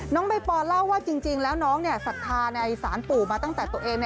น้องใบปอลเล่าว่าจริงแล้วน้องศรัทธาในศาลปู่มาตั้งแต่ตัวเอง